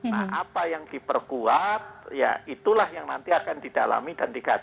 nah apa yang diperkuat ya itulah yang nanti akan didalami dan digaji